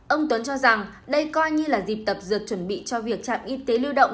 ông tuấn cho rằng đây coi như là dịp tập dượt chuẩn bị cho việc trạm y tế lưu động